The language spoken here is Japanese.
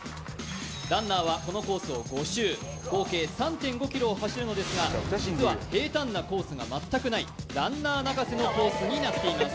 ランナーはこのコースを５周合計３．５ｋｍを走るのですが実は平坦なコースが全くないランナー泣かせのコースになっています